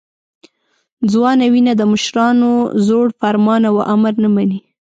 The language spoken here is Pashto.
ځوانه وینه د مشرانو زوړ فرمان او امر نه مني.